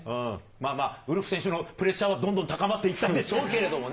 ウルフ選手のプレッシャーは、どんどん高まっていったんでしょうけれどもね。